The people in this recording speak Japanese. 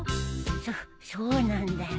そそうなんだよ。